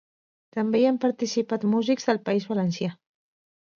També hi han participat músics del País Valencià.